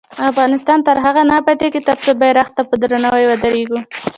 افغانستان تر هغو نه ابادیږي، ترڅو بیرغ ته په درناوي ودریږو.